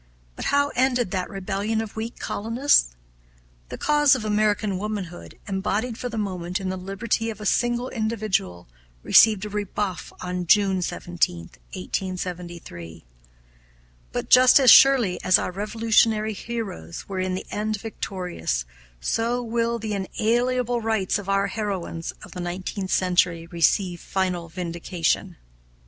But how ended that rebellion of weak colonists? The cause of American womanhood, embodied for the moment in the liberty of a single individual, received a rebuff on June 17, 1873; but, just as surely as our Revolutionary heroes were in the end victorious, so will the inalienable rights of our heroines of the nineteenth century receive final vindication.